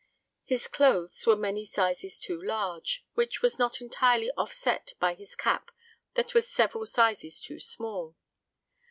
His clothes were many sizes too large, which was not entirely offset by his cap that was several sizes too small.